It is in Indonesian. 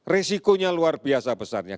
risikonya luar biasa besarnya